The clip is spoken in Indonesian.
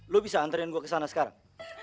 lu bisa antarin gue kesana sekarang